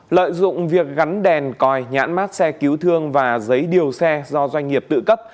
lợi dụng việc gắn đèn còi nhãn mát xe cứu thương và giấy điều xe do doanh nghiệp tự cấp